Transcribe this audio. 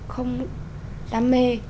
không đam mê